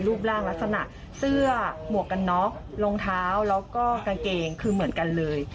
รูปร่างลักษณะเสื้อหมวกกันน็อกรองเท้าแล้วก็กางเกงคือเหมือนกันเลย